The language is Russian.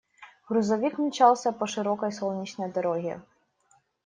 Грузовик мчался по широкой солнечной дороге.